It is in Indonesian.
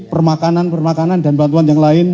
permakanan permakanan dan bantuan yang lain